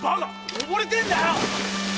おぼれてんだよ！